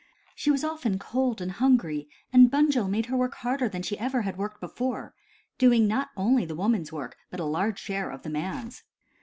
She was often cold and hungry, and Bunjil made her work harder than she had ever worked before, doing not only the woman's work, but a large share of the man's.